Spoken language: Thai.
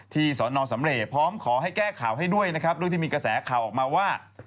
สอนอสำเรย์พร้อมขอให้แก้ข่าวให้ด้วยนะครับเรื่องที่มีกระแสข่าวออกมาว่า